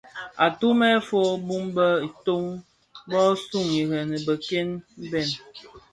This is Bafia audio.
Atumèn fo bum be itöň bö sug ireňi beken bèn.